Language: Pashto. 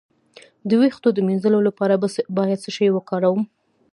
د ویښتو د مینځلو لپاره باید څه شی وکاروم؟